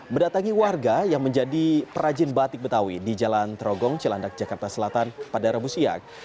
mendatangi warga yang menjadi perajin batik betawi di jalan trogong cilandak jakarta selatan pada rabu siang